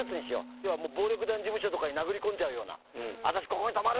要はもう暴力団事務所とかに殴り込んじゃうような、私、ここに泊まる！